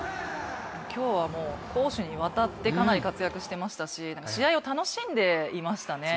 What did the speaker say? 今日はもう攻守にわたってかなり活躍していましたし試合を楽しんでいましたね。